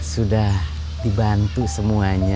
sudah dibantu semuanya